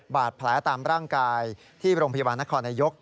บาดแผลตามร่างกายที่โรงพิวารณาคณาอยก